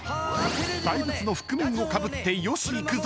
大仏の覆面をかぶってよしいくぞ！